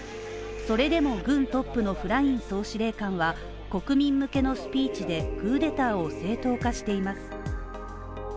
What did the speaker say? それでも軍トップのフライン総司令官は国民向けのスピーチでクーデターを正当化しています。